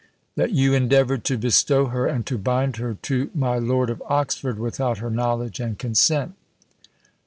That you endeavoured to bestow her, and to bind her to my Lord of Oxford without her knowledge and consent.